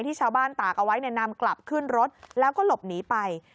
ชาวบ้านตากเอาไว้นำกลับขึ้นรถแล้วก็หลบหนีไป